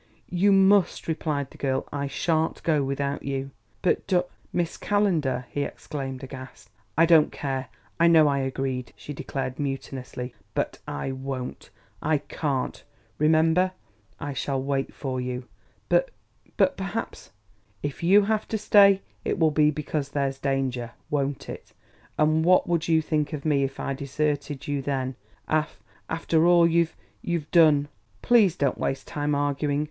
"You must," replied the girl. "I shan't go without you." "But, Dor Miss Calendar!" he exclaimed, aghast. "I don't care I know I agreed," she declared mutinously. "But I won't I can't. Remember I shall wait for you." "But but perhaps " "If you have to stay, it will be because there's danger won't it? And what would you think of me if I deserted you then, af after all y you've done?... Please don't waste time arguing.